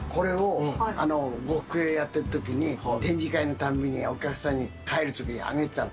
呉服屋やっているときに、展示会のたびにお客さんに帰るときあげてたの。